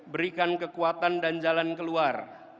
berikan kekuatan dan jalan keluar